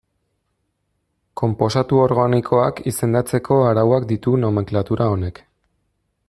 Konposatu organikoak izendatzeko arauak ditu nomenklatura honek.